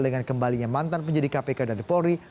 dengan kembalinya mantan penyidik kpk dari polri